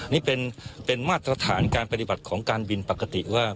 นี่เป็นมาตรฐานการปฏิบัติของการบินปกติว่า